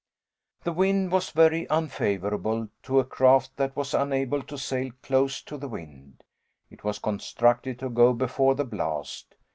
The wind was very unfavorable to a craft that was unable to sail close to the wind. It was constructed to go before the blast.